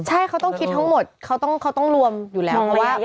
ใช่เขาต้องคิดทั้งหมดเขาต้องรวมอยู่แล้ว